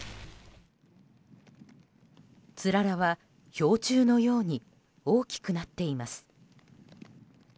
つららは氷柱のように大きくなっています。